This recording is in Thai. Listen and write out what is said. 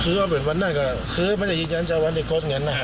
คือเอาเป็นวันนั่นก็คือมันจะยืดย้านจับวันอีกกดเงินนะครับ